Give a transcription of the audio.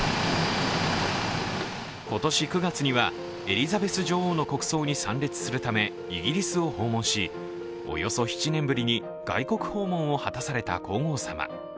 今年９月には、エリザベス女王の国葬に参列するため、イギリスを訪問しおよそ７年ぶりに外国訪問を果たされた皇后さま。